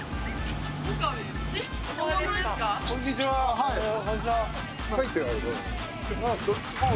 はい。